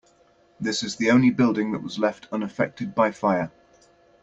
This is the only building that was left unaffected by fire.